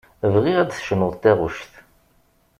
Bɣiɣ ad d-tecnuḍ taɣect.